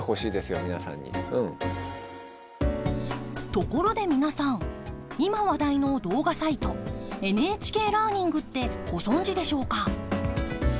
ところで皆さん今話題の動画サイトＮＨＫラーニングってご存じでしょうか？